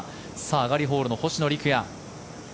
上がりホールの星野陸也。